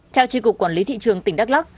theo tri cục quản lý thị trường tỉnh đắk lắc